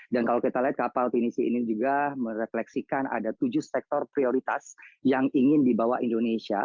dan kalau kita lihat kapal pdc ini juga merefleksikan ada tujuh sektor prioritas yang ingin dibawa indonesia